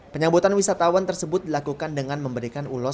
penyambutan wisatawan tersebut dilakukan dengan memberikan ulos